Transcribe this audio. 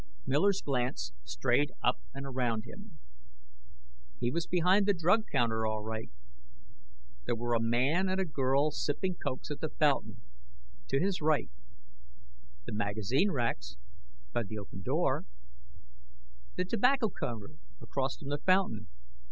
Miller's glance strayed up and around him. He was behind the drug counter, all right. There were a man and a girl sipping cokes at the fountain, to his right; the magazine racks by the open door; the tobacco counter across from the fountain.